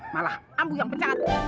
malah ambu yang pecat